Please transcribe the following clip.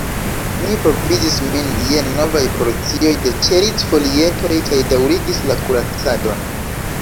Mi provizis min je novaj porcioj de ĉeriz-folietoj kaj daŭrigis la kuracadon.